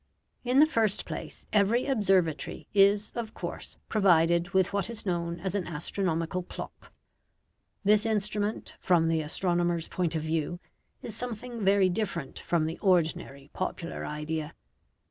In the first place, every observatory is, of course, provided with what is known as an astronomical clock. This instrument, from the astronomer's point of view, is something very different from the ordinary popular idea.